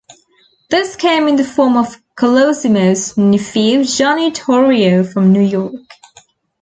This came in the form of Colosimo's nephew Johnny Torrio from New York.